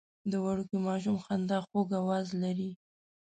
د وړوکي ماشوم خندا خوږ اواز لري.